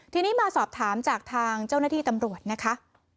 ทีนี้มาสอบถามจากทางเจ้าหน้าที่ตำรวจนะคะ